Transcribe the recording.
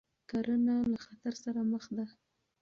کرنه له خطر سره مخ ده.